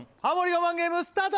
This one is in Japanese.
我慢ゲームスタート！